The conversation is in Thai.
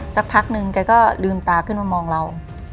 สักพักนึงแกก็ลืมตาขึ้นมามองเรา